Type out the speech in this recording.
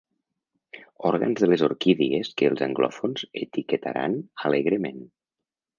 Òrgans de les orquídies que els anglòfons etiquetaran alegrement.